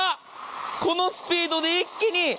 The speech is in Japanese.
このスピードで、一気に。